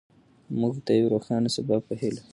موږ د یو روښانه سبا په هیله یو.